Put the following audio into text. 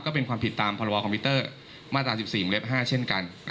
ก็เป็นความผิดตามภารวาลคอมพิวเตอร์มาตรา๑๔๕เช่นกัน